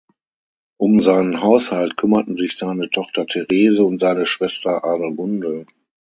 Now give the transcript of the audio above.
Um seinen Haushalt kümmerten sich seine Tochter Therese und seine Schwester Adelgunde.